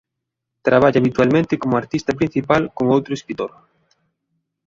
Traballa habitualmente como artista principal con outro escritor.